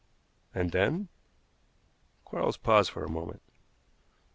"And then?" Quarles paused for a moment.